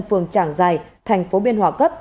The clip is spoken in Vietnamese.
phương trảng dài thành phố biên hòa cấp